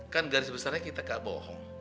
kan garis besarnya kita gak bohong